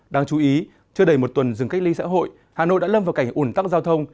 đáng chú ý chưa đầy một tuần dừng cách ly xã hội hà nội đã lâm vào cảnh ủn tắc giao thông